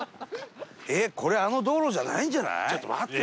えっこれあの道路じゃないんじゃない？